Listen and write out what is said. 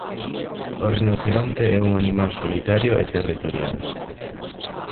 O rinoceronte é un animal solitario e territorial.